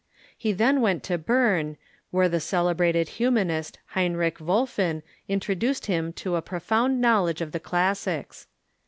He then Avent to Berne, where the celebrated Humanist Heinrich Wolfin in troduced him to a profound knowledge of the classics.